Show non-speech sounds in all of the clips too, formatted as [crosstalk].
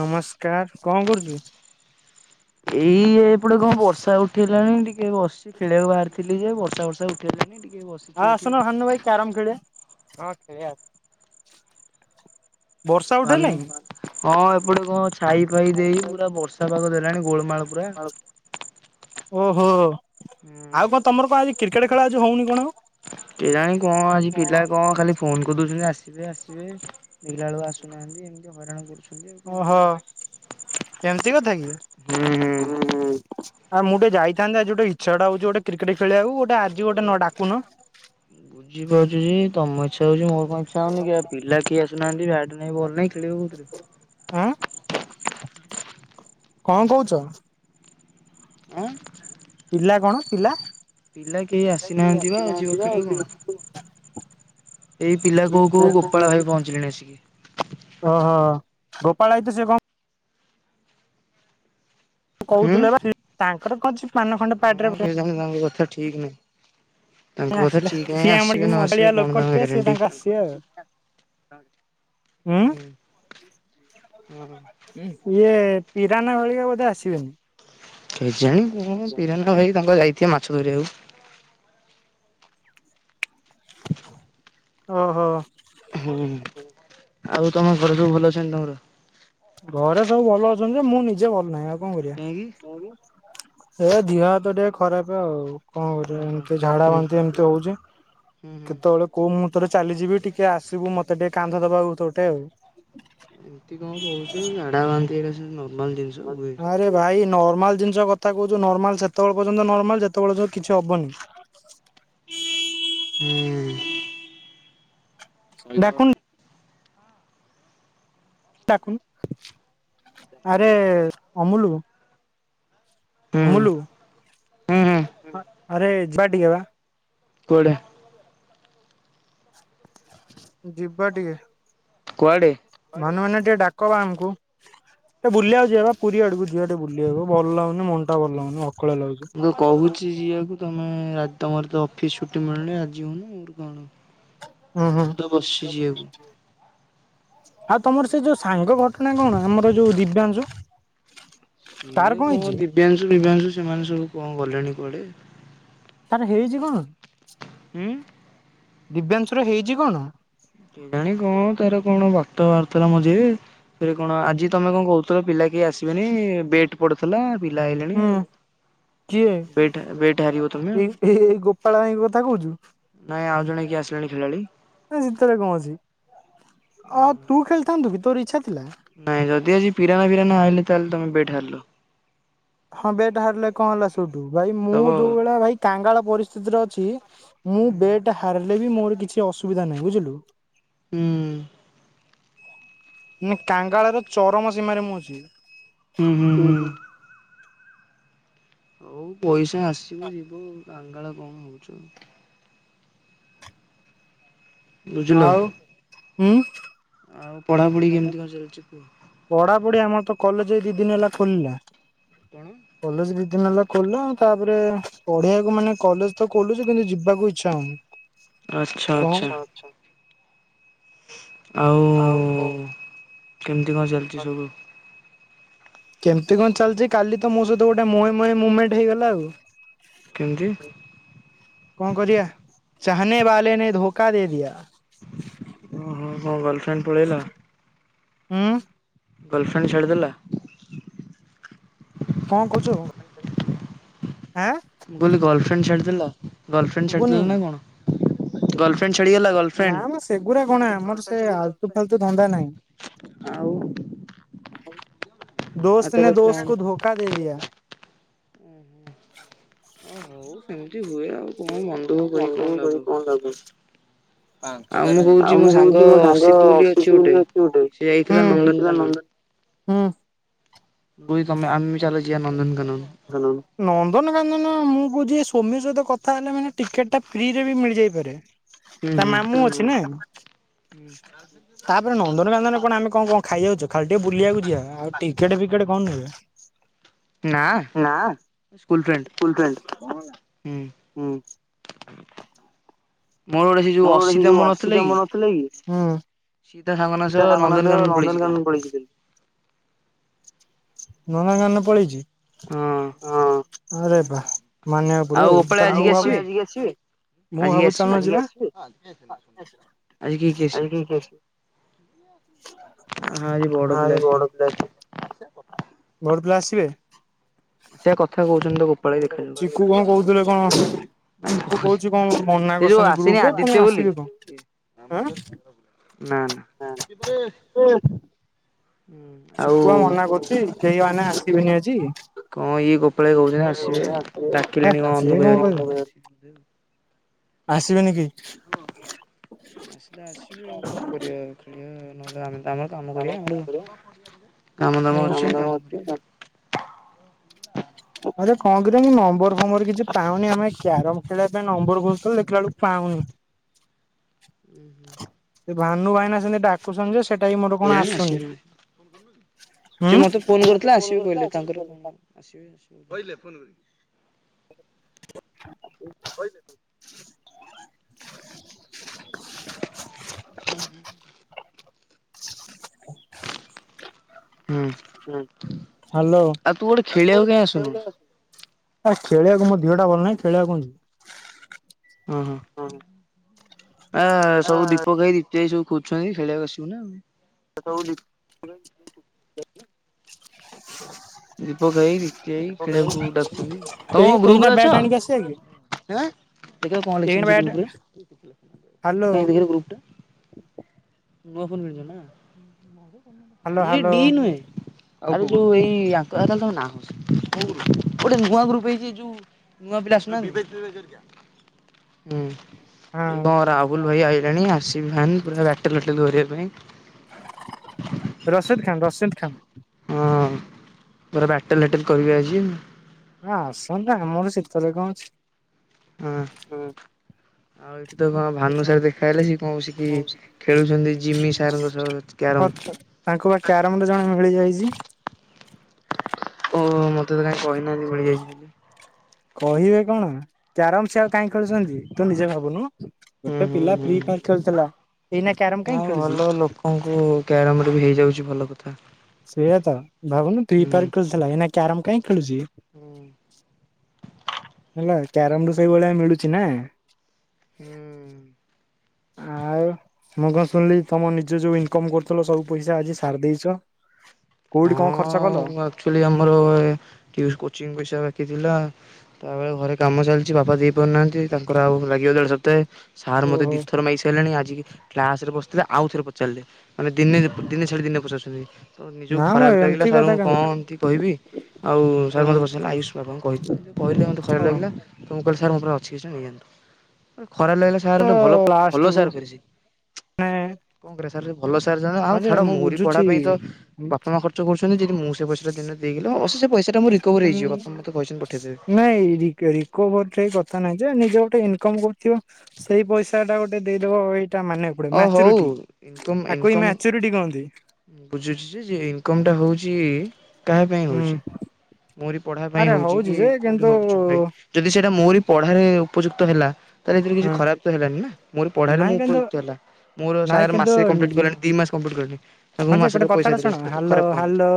ନମସ୍କାର କଣ କରୁଚୁ? ଏଇ ଏପଟେ କଣ ବର୍ଷା ଉଠେଇଲାଣି ଟିକେ ବସିଛି ଖେଳିବାକୁ ବାହାରିି ଥିଲ ଯେ ବର୍ଷା ଫର୍ଷା ଉଠେଇଲାନି ଟିକେ ବସ ହଁ ଆସୁନ ଭାନୁ ଭାଇ କ୍ୟାରାମ ଖେଳିବା ହଁ ଖେଳିବା ଆଉ। ଭାନୁ ହଁ ଏପଟେ କଣ ଛାଇ ଫାଇ ଦେଇକି ପୁରା ବର୍ଷା ପାଗ ଦେଲାଣି ଗୋଳମାଳ ପୁରା। ଓହୋ ଆଉ କଣ ତମର କଣ ଆଜି କ୍ରିକେଟ୍ ଖେଳ ଆଜି ହଉନି କଣ ମ? କେଜାଣି କଣ ଆଜି ପିଲା କଣ ଖାଲି ଫୋନ୍ କରିଦଉଛନ୍ତି ଆସିବେ ଆସିବେ ଦେଖିଲା ବେଳକୁ ଆସୁ ନାହାଁନ୍ତି ଏମିତି ହଇରାଣ କରୁଛ ଓହୋ କେମତି କଥା କି ହୁଁ ହୁଁ। ଆ ମୁଁ ଟିକେ ଯାଇଥାନ୍ତି ଆଜି ଗୋଟେ ଇଛାଟା ହଉଛି ଗୋଟେ କ୍ରିକେଟ୍ ଖେଳିବାକୁ ଗୋଟ ଆଜି ଗୋଟେ ନ ଡାକୁନ। ବୁଝିପାରୁଛି ଯେ ତମ ଇଚ୍ଛା ହଉଛି ମୋର କଣ ଇଚ୍ଛା ହଉନି କି ଆ ପିଲା କେହି ଆସୁନାହାନ୍ତି ବ୍ୟାଟ୍ ନାହିଁ ବଲ ନାହିଁ ଖେଳିବ କଉଥିରେ? ଆଁ। କଣ କଉଛ? ଆଁ? ପିଲା କଣ ପିଲା? ପିଲା କେହି ଆସିନାହାଁନ୍ତି ବା ଆଉ ଯିବ ଖେଳିବ ଓହୋ। କଣ। ଏଇ ପିଲା କୋଉ କୋଉ ଗୋପାଳ ଭାଇ ପହଞ୍ଚିଲେଣି ଆସିକି।। ଓହୋ ଗୋପାଳାଇ ତ ସେ କଣ ହୁଁ କହୁଥିଲ ବା ତାଙ୍କର କ ଛି ପାନ ଖଣ୍ଡେ ପାଟିରେ ହଁ କେଜାଣି ତାଙ୍କ କଥା ଠିକ୍ ନାହିଁ। ତାଙ୍କ ଏ କଥା ଆସିଲା ଠିକ ନାହିଁ ସିଏ ଆମର ଆସିବେ କି ନ ଆସିବେ ମଦଳିଆ କଣ ଲୋକ ତାଙ୍କ କି ସିଏ ଗ୍ୟାରେଣ୍ଟି। ତାଙ୍କ ଆସିବେ ଆଉ। ଉଁ ହୁଁ ଅ। ଉଁ ଇଏ ପିରା ନା ଘରିଆ ବୋଧେ ଆସିବେନି? କେଜାଣି କଣ ପିରାନା ଭାଇ ତାଙ୍କ ଯାଇଥିବେ ମାଛ ଧରିବାକୁ। ଓହୋ। ହୁଁ ଆଉ ତମ ଘର ସବୁ ଭଲ ଅଛନ୍ତି ତମର? ଘରେ ସବୁ ଭଲ ଅଛନ୍ତି ଯେ ମୁଁ ନିଜେ ଭଲ ନାହିଁ ଆଉ କଣ କରିବା କାହିଁକି କାହିଁକି? ଏ ଦିହ ହାତ ଟିକେ ଖରାପେ ଆଉ କଣ କରିବା ଓହୋ ଏମତି ଝାଡା ହୁଁ। ବାନ୍ତି ଏମିତି ହଉଛି। ହୁଁ ହୁଁ କେତେବେଳେ କୋଉ ମୁହୂର୍ତ୍ତ ରେ ଚାଲିଯିବି ଟିକେ ଆସିବୁ। ମତେ ଟିକେ କାନ୍ଧ ଦବାକୁ ତୋଟେ ଆଉ। ଏମିତି କଣ କହୁଛୁ ଝାଡ଼ା ବାନ୍ତି ଏଗୁଡ଼ା ସବୁ ନର୍ମାଲ ଜିନିଷ ହୁଏ। ଆରେ ଭାଇ ନର୍ମାଲ ଜିନିଷ କଥା କହୁଛୁ ନର୍ମାଲ ସେତେବେଳେ ପର୍ଯ୍ୟନ୍ତ ନର୍ମାଲ ସେତେବେଳେ କିଛି ହବନି। ହୁଁ। ଡାକୁନ ଡାକୁନୁ ଆରେ ଅମୁଲୁ ହୁଁ ଅମୁଲୁ ହୁଁ ହୁଁ ଆରେ ଯିବା ଟିକେବା। କୁଆଡେ? ଯିବା ଟିକେ। କୁଆଡ଼େ? ମନେ ମନେ ଟିକେ ଡାକବା ଆମୁକୁ। ସେ ବୁଲିବାକୁ ଯିିବା ବା ପୁରୀ ଆଡକୁ ଯିବା ଟିକେ ବୁଲିବାକୁ ଭଲ ଲାଗୁନି ମନ ଟା ଭଲ ଲାଗୁନି ଅକଳିଆ ଲାଗୁଛି। ମୁଁ ତ କହୁଛି ଯିବାକୁ ତମେ ତମର ତ ଅଫିସ୍ ଛୁଟି ମିଳୁନି ଆଜି ଯିବୁ କଣ? ହୁଁ ହୁଁ। ତ ବସଛି ଯିଆକୁ। ଆଉ ତମର ସେ ଯୋଉ ସାଙ୍ଗ ଘଟଣା କଣ ଆମର ଯୋଉ ଦିବ୍ୟାଂଶୁ। ତାର ସିଏ କଣ ହେଇଛି? ଦିବ୍ୟାଂଶୁ ଦିବ୍ୟାଂଶୁ ସେମାନେ ସବୁ କଣ ଗଲେଣି କୁଆଡେ। ତାର ହେଇଚି କଣ? ହୁଁ ଦିବ୍ୟାଂଶୁର ହେଇଛି କଣ? କେଜାଣି କଣ ତାର କଣ ବାତ ବାହରିଥିଲା ମଝିରେ ଫରେ କଣ ଆଜି ତମେ କଣ କହୁଥିଲ ପିଲା କେହି ଆସିବେନି ବେଟ। ପଡୁଥିଲା ପିଲା ଆଇଲେଣି ହୁଁ ଆଉ। କିଏ ବେଟ ବେଟ୍ ହାରିବ ତୁମେ। କୋଉ କଥା କହୁଛୁ? ନାଇଁ ଆଉ ଜଣେ କିଏ ଆସିଲାଣି ଖେଳାଳି। ସେଥରେ କଣ ଅଛି ଆ ତୁ ଖେଳିଥାନ୍ତୁ କି ତୋର ଇଚ୍ଛା ଥିଲା। ନାଇଁ ଯଦି ଆଜି ପିରାନା ବିିରା ଆଇଲେ ତାହେଲେ ତମେ ବେଟ ହାରିଲ ହଁ ବେଟ ହାରିଲେ କଣ ହେଲା ସେଠୁ ଭାଇ ଦବ ମୁଁ ଆଉ। ଯୋଉ ଭଳି ଭାଇ କାଙ୍ଗାଳ ପରିସ୍ଥିତିରେ ଅଛି। ମୁଁ ବେଟ୍ ହାରିଲେ ବି ମୋର କିଛି ଅସୁବିଧା ନାହିଁ ବୁଝିଲୁ। ହୁଁ ମୁଁ କାଙ୍ଗାଳ ର ଚରମ ସୀମାରେ ମୁଁ ଅଛି। ହୁଁ ହୁଁ ହୁଁ। ଓହୋ ହଉ ପଇସା ଆସିବ ଯିବ ଆ କାଙ୍ଗାଳ କଣ ହଉଛ ଆଉ। ବୁଝିଲ। ଆଉ ହୁଁ ଆଉ ପଢ଼ାପଢ଼ି କେମତି କଣ ଚାଲିଛି? ପଢାପଢି ଆମର ତ କଲେଜ ଦି ଦିନ ହେଲା ଖୋଲିଲା। କଣ କଲେଜ ବି ଦିନ ହେଲା ଖୋଲଆ ତାପରେ ପଢିବାକୁ ମାନେ କଲେଜ ତ ଖୋଲୁଛ କିନ୍ତୁ ଯିବାକୁ ଇଚ୍ଛା ହଉନି। ଆଚ୍ଛା ଆଚ୍ଛା କଣ ଆଉ କେମିତି କଣ ଚାଲିଛି ସବୁ କେମିତି କଣ ଚାଲିଛି କାଲି ତ ମୋ ସହିତ ଗୋଟେ ମୋଇଁ ମୋଇଁ ମୁଭମେଣ୍ଟ ହେଇଗଲା ଆଉ କେମିତି? କଣ କରିଆ ଚାହାନେ ବାଲେ ନେ ଧୋକା ଦେ ଦିଆ। ଓହୋ ଗର୍ଲଫ୍ରେଣ୍ଡ ପଳେଇଲା। ହଁ ଗର୍ଲଫ୍ରେଣ୍ଡ ଛାଡ଼ିଦେଲା। କଣ କହୁଛୁ ଆଁ ମୁଁ କହିଲି ଗଲଫ୍ରେଣ୍ଡ ଛାଦିଦେଲା ଗଲଫ୍ରେଣ୍ଡ ଶୁଭୁନି ଛାଡିଦଥିଲ ନା କଣ? ଗର୍ଲଫ୍ରେଣ୍ଡ ଛାଡିଗଲା ଗର୍ଲଫ୍ରେଣ୍ଡ ନା ମ ସେଗୁଡା କଣ ମୋର ସେ ଆଲତୁ ଫାଲତୁ ଧନ୍ଦା ନାହିଁ। ଆଉ ଆଉ ଦୋସ୍ତ ନେ ତାହେଲେ କଣ? ଦୋସ୍ତକୁ ଧୋଖା ଦେ ଦିଆ। ଓ ହଉ ସେମିତି ହୁଏ ଆଉ କଣ ମନଦୁଃଖ କରି କଣ ମୁଣ୍ଡକୁ ଲାଭ। [inaudible] ଆଉ ମୁଁ କହୁଛି ମୋ ସାଙ୍ଗ ଅସିଥ ବୋଲି ଅଛି ଗୋଟେ ସେ ଯାଇଥିଲା ନନ୍ଦନକାନନ। ମୁଁ ନନ୍ଦନ ହୁଁ ବୁଇ ତମେ ଆମେ ଚାଲ ଯିଆ ନନ୍ଦନକାନନ। ନନ୍ଦନକାନନ୍ଦନ ମୁଁ କହୁଛିି ସୋମୀ ସହିତ କଥା ହେଲେ ମାନେ ଟିକେଟ ଟା ଫ୍ରିରେ ବି ମିଳିଯାଇପାରେ। ହୁଁ ତା ହୁଁ। ମାମୁଁ ଅଛି ନା ତା ଏରେ ନନ୍ଦନକାନନ କଣ ଆମ କଣ କଣ ଖାଇଯାଉଛେ ଖାଲି ଟିକେ ବୁିଲିବାକୁ ଯିବା ଆଉ ଟିକେଟ ଫିକେଟ କଣ ନୁହେ। ନା ନା ସ୍କୁଲ ଫ୍ରେଣ୍ଡ ଫୁଲ ହୁଁ [inaudible] ମୋର ଯୋଉ ମୋର ଗୋଟେ ସେ ଅସିତ ଯୋଉ ଆମର ନଥିଲା [unintelligible] ମୋର ନଥିଲା କି [unintelligible] ସିଏ ତା ସାଙ୍ଗମାନଙ୍କ ସହ ନନ୍ଦନକାନନ ପଳେଇଛି କାଲି। [unintelligible] ପଳେଇଥିଲେ। ନନ୍ଦନକାନନ ପଳେଇଚି? ହଁ ଆରେ ବା ମାନିବାକୁ ପଡିବ ଆଉ, ଓପାଳି ତାହେଲେ ଆଜିକି ମୁଁ ଆସିବେ ଭାବୁଚି ମୁଁ ଆଜିକି ଭାବୁଚି ଆସିବେ ଚାଲୁନ ଯିବା। [inaudible] ଆଜି କିଏ କିଏ ଆସିବେ? [unintelligible] ବଡ ହଁ ଆଜି ବଡ ପିଲା ପିଲା ଆସିବେ? ଚିକୁ ସେୟା କଣ କଥା କହୁଛନ୍ତି ତ ଗୋପାଳ ଭାଇ ଦେଖାଯାଉ କହୁଥିଲେ କଣ ନାଇଁ ଚିକୁ କହୁଛି କହୁଚି କଣ ମନା ସେ ଯୋଉ କରିଛନ୍ତି ଆସିନି ଗ୍ରୁପରେ ଆଦିତ୍ୟ ପୁଣି ଆସିବେ କଣ। ନା-ନା। ଚିକୁ ବା ମନା କରୁଚି, କେହି ମାନେ ଆସିବେନି ଆଜି। କଣ ଇଏ ଗୋପାଳ ଭାଇ କହୁଛନ୍ତି ଆସିବେ ହେ ଡାକିଲେଣି ଅନୁ ସିଏ ଭାଇ କଣ ହେରିକା କହିବ। ଙ୍କୁ ଆସିବେ ବୋଧେ ଆଉ। ଆସିବେନି କେହି? ଆସିଲେ ଆସିବେ ଆଉ କଣ କରିଆ ଖେଳିଆ ନହେଲେ ଆମେ ଆମର କାମ କରିଆ ଆମର କାମ ଦାମ ଅଛି କାମ କରିଆ। ଆରେ କଣ କିରେ ମୁଁ ନମ୍ବର୍ ଫମ୍ୱର୍ କିଛି ପାଉନି, ଆମେ କ୍ୟାରମ୍ ଖେଳିବା ପାଇଁ ନମ୍ବର୍ ଖୋଜୁଥେଲି ଦେଖିଲା ବେଳକୁ ପାଉନି। ଉୁଁ ହୁଁ ସେ ଭାନୁ ଭାଇନା ସେନ୍ତି ଡାକୁଛନ୍ତି ଯେ, ସେଟା ବି ମୋରେ କଣ ଆସୁନି। ହୁଁ। ସିଏ ମତେ ଫୋନ୍ କରିଥିଲେ ଆସିବେ କହିଲେ ତାଙ୍କର କଣ ଆସିବେ। କହିଲେ? ହୁଁ ହ ହୁଁ। ହାଲୋ। ଖେଳିବାକୁ କାଇଁ ଆସୁନୁ [unintelligible] ଖେଳିଆକୁ ମୋ ଦେହଟା ଭଲ ନାହିଁ ଖେଳିଆକୁ କଣ ଯିବି। ହଁ-ହଁ। ଆ ସବୁ ଦୀପକ ହାଇ ଦୀପ୍ତି ହାଇ ସବୁ ଖୋଜୁଚନ୍ତି ଖେଳିଆକୁ ଆସିବୁ ନା ଆଉ। [inaudible] ଦୀପକ ହାଇ ଦୀପ୍ତି ହାଇ ହଁ ଖେଳିଆକୁ ଡାକଚନ୍ତି, ତମେ ଏଇ କଣ ଗ୍ରୁପ୍ ଏଇନା ରେ ବ୍ୟାଟ୍ ଅଛ? ଆଣିକି ଆସିବା କି ଦେଖେଇଲ କଣ ଏଇନା ଲେଖଛନ୍ତି ସେ ବ୍ୟାଟ୍ ଗ୍ରୁପ୍ ରେ, ହ୍ୟାଲୋ କାଇଁ ଦେଖେଇଲ ଗ୍ରୁପ୍ ଟା। ନୂଆ ଫୋନ୍ କିଣିଚ ନାଁ? ହ୍ୟାଲୋ ହ୍ୟାଲୋ ଆରେ ଯୋଉ ଏଇ ଆଙ୍କ ଆଉ ତାହେଲେ ତମେ ନାହଁ, ଗୋଟେ ନୂଆ ଗ୍ରୁପ୍ ହେଇଛି ଏ ଯୋଉ ନୂଆ ପିଲା ଆସୁନାହାନ୍ତି। ଇଏ ହଁ କଣ ରାହୁଲ୍ ଭାଇ ଆଇଲାଣି ଆର୍ ସିବି ଫ୍ୟାନ୍, ପୁରା ବ୍ୟାଟେଲ୍ ଫ୍ୟାଟେଲ୍ କରିବା ପାଇଁ। ରସିଦ ଖାନ୍ ରସିନ୍ଦ୍ ଖାନ୍। ହଁ ପୁରା ବ୍ୟାଟେଲ୍ ଫ୍ୟାଟେଲ୍ କରିବେ ଆଜି ଆଉ। ଆସନ୍ତୁ ଆମର ସିତେରେ କଣ ଅଛି। ହଁ। ଆଉ ଏଠି ତ କଣ ଭାନୁ ସାର୍ ଦେଖା ହେଲେ, ସିଏ କଣ ବସିକି ଖେଳୁଛନ୍ତି ଜିମି ସାର୍ ଙ୍କ ସହ। କ୍ୟାରମ ହଁ ତାଙ୍କୁ ବା କ୍ୟାରମ୍ ର ଜଣେ ମିଳିଯାଇଚି। ଓ ମତେ ତ କାଇଁ କହିନାହାନ୍ତି ମିଳିଯାଇଚି। କହିବେ କଣ କ୍ୟାରମ୍ ସିଏ ଆଉ କାହିଁ ଖେଳୁଚନ୍ତି, ତୁ ନିଜେ ଭାବୁନୁ। ହୁଁ ଗୋଟେ ହୁଁ ପିଲା ଫ୍ରି ହୁଁ ଫାୟାର୍ ଖେଳୁଥିଲା, ଏଇନା କ୍ୟାରମ୍ କାଇଁ ଖେଳୁଚି। [unintelligible] କ୍ୟାରମ୍ ରେ ବି ହେଇଯାଉଛି ଭଲ କଥା। ସେଇଆ ତ ଭାବୁନୁ ଫ୍ରି ହୁଁ ଫାୟାର୍ ଖେଳୁଥିଲା, ଏଇନା କ୍ୟାରମ୍ କାହିଁ ଖେଳୁଚି। ହୁଁ ହେଲା କ୍ୟାରମ୍ ରୁ ହୁଁ ସେଇଭଳିଆ ମିଳୁଚି ନା। ହୁଁ। ଆଉ [inaudible] ମୁଁ କଣ ଶୁଣିଲି ତମ ନିଜେ ଯୋଉ ଇନକମ୍ କରୁଥିଲ ସବୁ ପଇସା ଆଜି ସାରି ଦେଇଚ। କେଉଠି କଣ ଖର୍ଚ୍ଚ କଲ? ଆକ୍ଚୁଲି ଆମର କୋଚିଙ୍ଗ ପଇସା ବାକି ଥିଲା। ତାପରେ ଘରେ କାମ ଚାଲିଚି ବାପା ଦେଇ ପାରୁନାହାନ୍ତି। ତାଙ୍କର ଆଉ ଲାଗିଗଲା ଗୋଟେ ସପ୍ତାହେ ସାର୍ ମତେ ଓହୋ ଦି ଥର ମାଗିସାଇଲେଣି ଆଜିକି କ୍ଲାସରେ ବସିଥିଲେ ଆଉ ଥେରେ ପଚାରିଲେ ମାନେ ଦିନେ ପ୍ ଦିନେ ଛାଡି ଦିନେ ପଚାରୁଛନ୍ତି ତ ନିଜକୁ ନା ମ ଖରାପ ଲାଗିଲା ଏମିତି କଥା ସାରଙ୍କୁ କଁ କେମିତି ଏମତି କହିବି। ଆଉ ସାର୍ ମତେ ପଚାରିଲେ ଆୟୁଷ୍ ବାବାଙ୍କୁ କହିଥିଲ ଇନ୍ତି ଯୋଉ କହିଲେ ମତେ ଖରାପ ଓହୋ। ଲାଗିଲା। ତ ମୁଁ କହିଲି ସାର୍ ମୋ ପାଖରେ ଅଛି କିଛିଟା ନେଇଯାଆନ୍ତୁ ଖରାପ ଲାଗିଲା ସାର୍ ଗୋଟେ ଭଲ ଭଲ ଲାଷ୍ଟକୁ ସାର୍ ଫେରେ ସିଏ। ମାନେ କଁ କରିଆ ସାର୍ ଯୋଉ ଭଲ ସାର୍ ଜଣେ ଆଉ ହଁ ଯେ ଛାଡ ମୁଁ ମୋରି ପଢା ବୁଝୁଛି ପାଇଁ ତ ବାପ ମା ଖର୍ ଚ କରୁଛନ୍ତି ଯେଦି ମୁଁ ସେ ପଇସାଟା ଦିନେ ଦେଇଗେଲେ ଅସୁ ସେ ପଇସାଟା ମୁଁ ରି [inaudible] ନାଇଁ ରିକ୍ ରିକୋଭରି ଠେଇ କଥା ନାହିଁ ଯେ ନିଜେ ଗୋଟେ ଇନକମ୍ କରୁଥିବ ସେଇ ପଇସାଟା ଗୋ ଗୋଟେ ଦେଇଦବ ଏଇଟା ମାନେ ଗୋଟେ ଅ ହଉ ମ୍ୟାଚୁରୁଟି ଆକୁ ହିଁ ମ୍ୟାଚୁରୁଟି କହନ୍ତି। ଉଁ ବୁଝୁଛି ଯେ ଯେ ଇନକମଟା ହଉଚି କାହା ପାଇଁ ହୁଁ ହଉଛି। ମୋରି ପଢା ପାଇଁ ଆରେ ହଉଛି କି ଯେ କୋଉଠି କିନ୍ତୁ ହଉଛ ଭାଇ ଯଦି ସେଇଟା ମୋରି ପ ଢାରେ ଉପଯୁକ୍ତ ହେଲା ତାହେରେ ଏଥିରେ କିଛି ହଁ ଖରାପ ତ ହେଲାନି ନା ମୋରି ପଢାରେ ନାଇଁ ମୁଁ କିନ୍ତୁ ଉପଯୁକ୍ତ ହେଲା। ମୋର ନାଇଁ ସାର୍ କିନ୍ତୁ ମାସେ କମ୍ପ୍ଲିଟ ହଁ କଲେଣି ଦି ମାସ କମ୍ପ୍ଲିଟ କଲେଣି। ତାଙ୍କୁ ମୁଁ ଯେ ଗୋଟେ ମାସେକେରେ ପଇସା କଥାଟା ଦେଲି ଶୁଣ ତ ଏଥିରେ ହାଲୋ ଖରାପ କନ୍ ହାଲୋ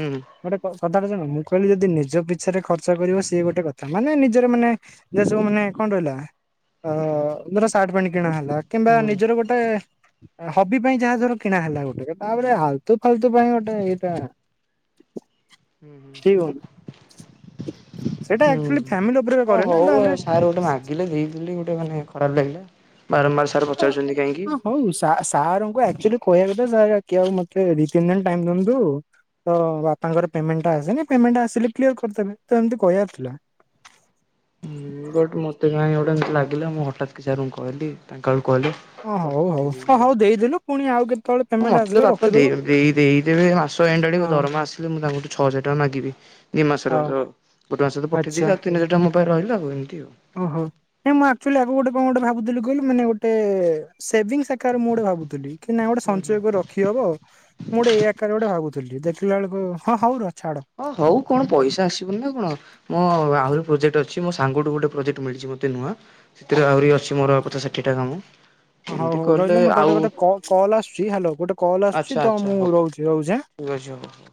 ହୁଁ ହୁଁ। ଗୋଟେ କ କଥାଟେ ଶୁଣ ମୁଁ କହିଲି ଯଦି ନିଜ ପିଛେରେ ଖର୍ଚ୍ଚ କରିବ ସିଏ ଗୋଟେ କଥା ମାନେ ନିଜର ମାନେ ଯେ ସବୁ ମାନେ କଁ ରହିଲା ଅ ଧର ସାର୍ଟ ପେଣ୍ଟ କିଣା ହେଲା ହୁଁ କିମ୍ବା ହୁଁ ନିଜର ଗୋଟେ ହବି ପାଇଁ ଯାହା ଧର କିଣା ହେଲା ଗୋଟେ ହୁଁ ତାପରେ ଆଲତୁପ୍ ଫାଲତୁ ପାଇଁ ଗୋଟେ ଏଇଟା ହୁଁ ହୁଁ। ଠିକ ହଉନି। ସେଇଟା ହୁଁ ଆକ୍ଚୁଆଲି ଫ୍ୟାମିଲି ଉପରେ ହ କରେ ନା ହଉ ତାପରେ ଆଉ ସାର୍ ଗୋଟେ ମା ଗିଲେ ଦେଇଦେଲି ଗୋଟେ ମାନେ ଖରାପ ଲାଗିଲା ବାରମ୍ବାର ସା [inaudible] ହଁ ହଁ ହଉ ସା ସାରଙ୍କୁ ଆଗ୍ ଆକ୍ଚୁଏଲି କହିଆ କଥା ସାରେ କି ଆଉ [unintelligible] ଆଉ ମତେ ଦି ତିନ ଦିନ ଟାଇମ୍ ଦିଅନ୍ତୁ। ତ ବାପାଙ୍କର ପେମେଣ୍ଟଟା ଆସିନି ପେମେଣ୍ଟଟା ଆସିଲେ କ୍ଲିୟର କରିଦେବେ ତ ଏମତି କହିଆର ଥିଲା। ଉଁ ବଟ୍ ମତେ କାଁଇ ଗୋଟେ ଏମତି ଲାଗିଲା ମୁଁ ହଠାତ୍ କି ସାରଙ୍କୁ କହିଲି ତାଙ୍କ ଆଡୁ କହିଲେ। ହଁ ପ ହଉ ହଉ ପଠେଇ ହଁ ଦେଇଚି ଆଉ ହଉ ଦେଇଦେଲୁ ପୁଣି ଆଉ କେତେବେଳେ ହଁ ପେମେଣ୍ଟ ମତେ ତ ଆସିଲେ ବାପା ଦେଇ ରଖିଦବୁ ଉଁ ଦେଇ ଦେଇଦେବେ ମାସ୍ ତ ଏଣ୍ଡ୍ ଆଡିକି ହଁ। ଦରମା ଆସିଲେ ମୁଁ ତାଙ୍କୁଠୁ ଛଅ ହଜାର ଟଙ୍କା ମାଗିବି ଦି ମାସର ହଁ ର ଗୋଟେ ମାସର ତ ପେଠେଇ ଦେଇଚି ଆଉ ତିନି ହଜାର ଟଙ୍କା ମୋ ପାଖେରେ ରହିଲା ଆଉ ଏମତି ଆଉ। ଓ ହୋ। ନାଇଁ ମୁଁ ଆକ୍ଚୁଏଲି ଆଗକୁ ଗୋଟେ କଁ ଗୋଟେ ଭାବୁଥିଲି କହିଲୁ ମାନେ ଗୋଟେ ସେଭିଙ୍ଗସ୍ ଆକାର ମୁଁ ଗୋଟେ ଭାବୁଥିଲି। କି ନାଁ ଗୋଟେ ହୁଁ ହୁଁ ସଞ୍ଚୟ କରି ରଖି ହବ। ମୁଁ ଗୋଟେ ଏ ଆକାରର ଗୋଟେ ଭାବୁଥିଲି ଦେଖିଲାବେଳୁକୁ ହଁ ହଉ ରୁଅ ଛାଡ। ଅ ହଉ କଣ ପଇସା ଆସିବନି ନା କଣ। ମୋ ଆହୁରି ପ୍ରୋଜେକ୍ଟ ଅଛି ମୋ ସାଙ୍ଗଠୁ ଗୋଟେ ପ୍ରୋଜେକ୍ଟ ମିଳିଛି ମତେ ନୂଆ ସେଥେରେ ଆହୁରି ଅ ଅଛି ମୋର ପଚାଶ ଷାଠିଏଟା କାମ। ହଁ ହଉ ଏମିତି ହଉ କଲେ ରହିଲୁ ମତେ ଆଉ ଗୋଟେ ଗୋଟେ କଲ୍ କଲ୍ ଆସୁଚି ହାଲୋ ଗୋଟେ କଲ୍ ଆସୁଚି ତ ମୁଁ ରହୁଚି ରହୁଚି ହାଁ। ଠିକ୍ ଅଛି ହଉ।